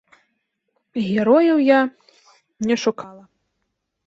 Герояў я не шукала.